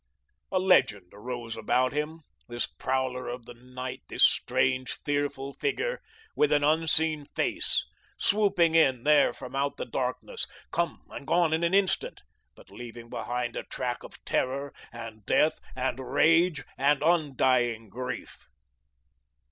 A legend arose about him, this prowler of the night, this strange, fearful figure, with an unseen face, swooping in there from out the darkness, come and gone in an instant, but leaving behind him a track of terror and death and rage and undying grief.